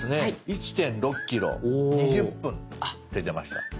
「１．６ｋｍ２０分」って出ました。